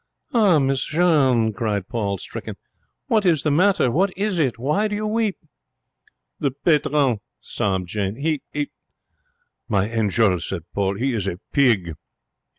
'Ah, Miss Jeanne,' cried Paul, stricken, 'what is the matter? What is it? Why do you weep?' 'The patron,' sobbed Jeanne. 'He ' 'My angel,' said Paul, 'he is a pig.'